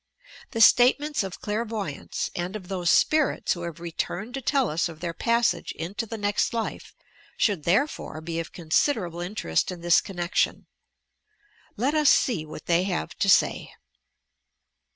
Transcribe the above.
The statements of clairvoyants and of those "spirits" who have returned to tell ua of their passage into the WHAT HAPPENS AFTEB DEATH T 301 next life should, therefore, be of considerable intereat in this connection. Let us see what they have to say.